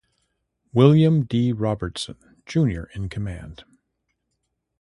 William D. Robertson, Junior in command.